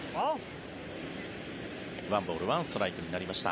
１ボール１ストライクになりました。